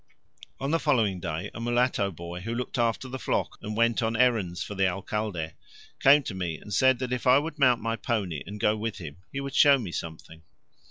On the following day a mulatto boy who looked after the flock and went on errands for the Alcalde, came to me and said that if I would mount my pony and go with him he would show me something.